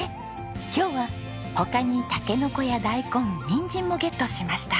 今日は他にタケノコやダイコンニンジンもゲットしました。